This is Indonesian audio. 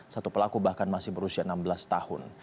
satu pelaku bahkan masih berusia enam belas tahun